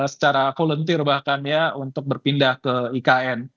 secara volunteer bahkan ya untuk berpindah ke ikn